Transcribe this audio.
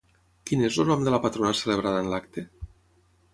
Quin és el nom de la patrona celebrada en l'acte?